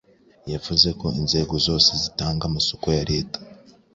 Yavuze ko inzego zose zitanga amasoko ya Leta